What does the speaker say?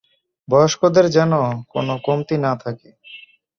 বয়স্কদের যেন কোনও কমতি না থাকে।